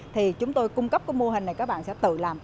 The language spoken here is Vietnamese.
thì chúng tôi cung cấp cái mô hình này các bạn sẽ tự làm